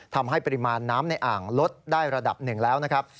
ทำให้ปริมาณน้ำในอ่างลดได้ระดับหนึ่งแล้วนะครับ